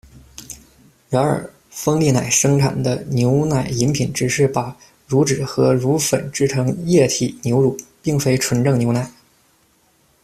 然而，「丰力奶」生产的牛奶饮品只是把乳脂和乳粉制成液体牛乳，并非纯正牛奶。